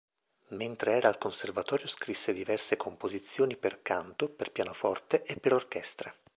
Mentre era al Conservatorio scrisse diverse composizioni per canto, per pianoforte e per orchestra.